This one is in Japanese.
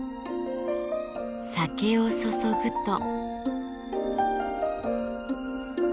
酒を注ぐと。